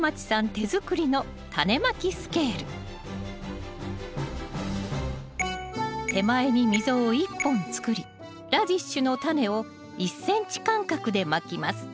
手作りの手前に溝を１本作りラディッシュのタネを１ｃｍ間隔でまきます